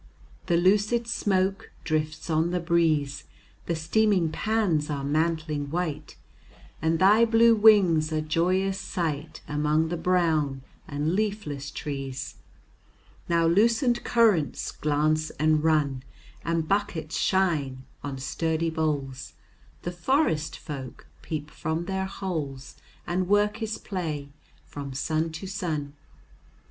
The lucid smoke drifts on the breeze, The steaming pans are mantling white, And thy blue wing's a joyous sight, Among the brown and leafless trees. Now loosened currents glance and run, And buckets shine on sturdy boles, The forest folk peep from their holes, And work is play from sun to sun.